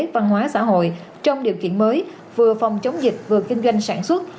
văn hóa xã hội trong điều kiện mới vừa phòng chống dịch vừa kinh doanh sản xuất